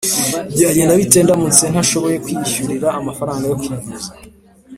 Byagenda bite ndamutse ntashoboye kwiyishyurira amafaranga yo kwivuza